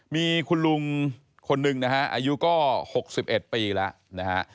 มีคุณลุงคนหนึ่งนะฮะอายุก็๖๑ปีแล้วนะฮะ